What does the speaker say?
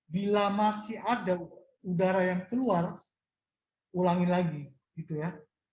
bila masih ada udara yang keluar ulangin lagi gitu ya